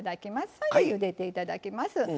それでゆでていただきます。